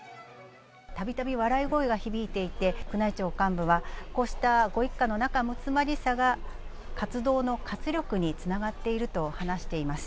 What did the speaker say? たびたび笑い声が響いていて、宮内庁幹部はこうしたご一家の仲むつまじさが活動の活力につながっていると話しています。